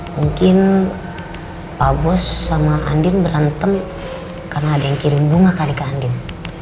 mungkin pak bos sama andien berantem karena ada yang kirim bunga kali ke andien